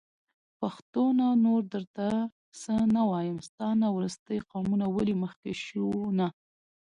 پښتونه نور درته څه نه وايم.. ستا نه وروستی قامونه ولي مخکې شو نه